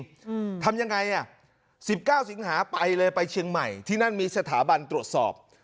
อืมทำยังไงอ่ะสิบเก้าสิงหาไปเลยไปเชียงใหม่ที่นั่นมีสถาบันตรวจสอบ